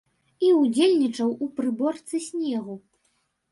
І ўдзельнічаў у прыборцы снегу.